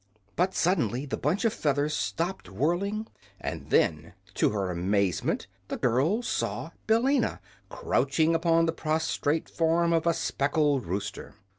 But suddenly the bunch of feathers stopped whirling, and then, to her amazement, the girl saw Billina crouching upon the prostrate form of a speckled rooster.